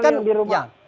orang yang dirumah